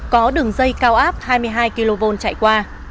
có đường dây cao áp hai mươi hai kv chạy qua